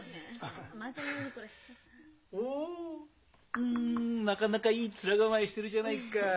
うんなかなかいい面構えしてるじゃないか。